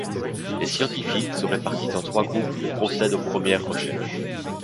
Les scientifiques se répartissent en trois groupes et procèdent aux premières recherches.